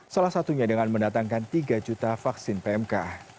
salah satunya dengan mendatangkan tiga juta vaksin pmk